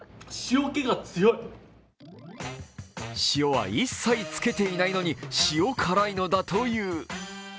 塩は一切つけていないのに、塩辛いのだという。